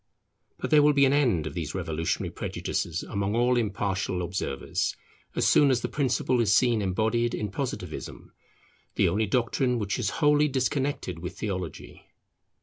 But there will be an end of these revolutionary prejudices among all impartial observers as soon as the principle is seen embodied in Positivism, the only doctrine which is wholly disconnected with Theology.